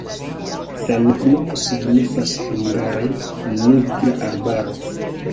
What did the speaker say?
La loknomo signifas hungare: nigra-arbaro.